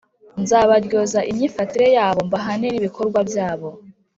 nzabaryoza imyifatire yabo, mbahanire n’ibikorwa byabo.